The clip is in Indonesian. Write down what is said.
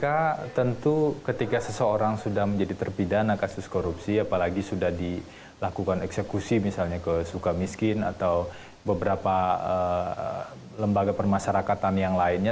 kpk tentu ketika seseorang sudah menjadi terpidana kasus korupsi apalagi sudah dilakukan eksekusi misalnya ke suka miskin atau beberapa lembaga permasyarakatan yang lainnya